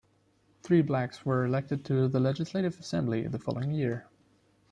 Three Blacks were elected to the legislative assembly the following year.